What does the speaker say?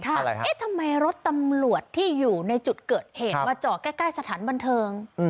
เอ๊ะทำไมรถตำรวจที่อยู่ในจุดเกิดเหตุมาจอดใกล้สถานบันเทิง